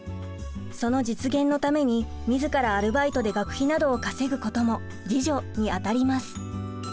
その実現のために自らアルバイトで学費などを稼ぐことも自助にあたります。